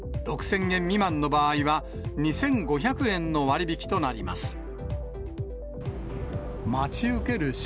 ６０００円未満の場合は、２５００円の割引となります。